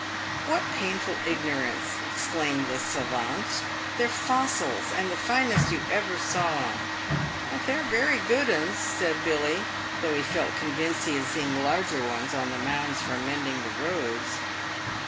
" "What painful ignorance !'' exclaimed the savante ;" they're fossils, and the finest you ever saw." "They're very good uns," said Billy, though he felt convinced he had seen larger ones on the mounds for mending the roads.